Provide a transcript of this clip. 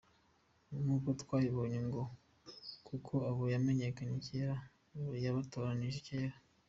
Nkuko twabibonye ngo “kuko abo yamenye kera yabatoranirije kera.